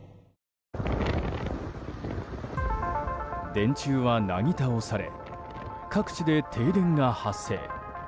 電柱はなぎ倒され各地で停電が発生。